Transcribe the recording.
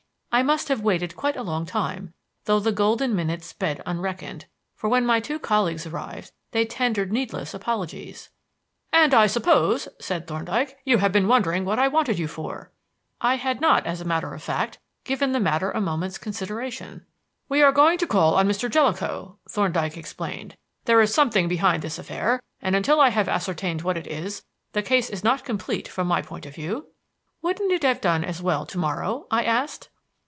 I must have waited quite a long time, though the golden minutes sped unreckoned, for when my two colleagues arrived they tendered needless apologies. "And I suppose," said Thorndyke, "you have been wondering what I wanted you for." I had not, as a matter of fact, given the matter a moment's consideration. "We are going to call on Mr. Jellicoe," Thorndyke explained. "There is something behind this affair, and until I have ascertained what it is, the case is not complete from my point of view." "Wouldn't it have done as well to morrow?" I asked.